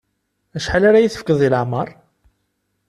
Acḥal ara yi-tefkeḍ deg leεmer?